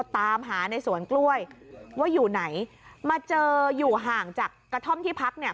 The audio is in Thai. ตามหาในสวนกล้วยว่าอยู่ไหนมาเจออยู่ห่างจากกระท่อมที่พักเนี่ย